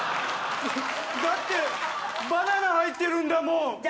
だってバナナ入ってるんだもんじゃ